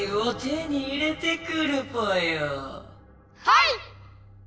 はい！